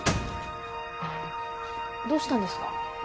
どうしたんですか？